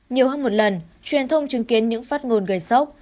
nhiều hơn một lần truyền thông chứng kiến những phát ngôn gây sốc